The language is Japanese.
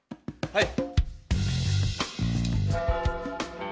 はい。